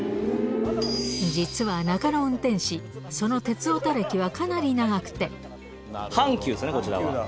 実は中野運転士、その鉄オタ歴はかなり長くて。